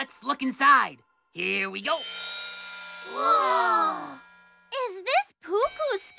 うわ！